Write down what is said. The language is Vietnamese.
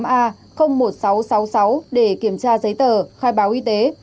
tám a một nghìn sáu trăm sáu mươi sáu để kiểm tra giấy tờ khai báo y tế